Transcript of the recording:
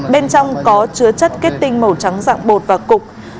bên trong có chứa chất kết tinh màu trắng dạng bột và cục